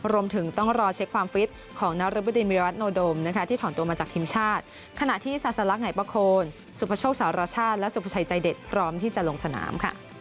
รวมถึงต้องรอเช็คความฟิตของนรบดินวิรัตโนโดมที่ถอนตัวมาจากทีมชาติขณะที่ซาสลักไหนประโคนสุภโชคสารชาติและสุภาชัยใจเด็ดพร้อมที่จะลงสนามค่ะ